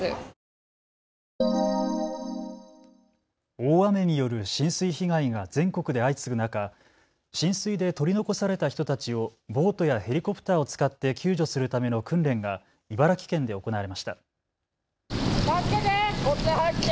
大雨による浸水被害が全国で相次ぐ中、浸水で取り残された人たちをボートやヘリコプターを使って救助するための訓練が茨城県で行われました。